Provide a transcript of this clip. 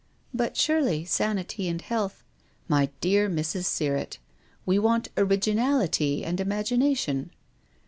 " But surely sanity and health "" My dear Mrs. Sirrett, we want originality and imagination."